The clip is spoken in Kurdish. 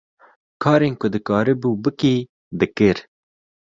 Karên ku dikarîbû bikî, dikir.